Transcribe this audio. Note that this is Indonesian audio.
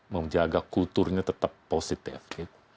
menjaga kulturnya tetap positive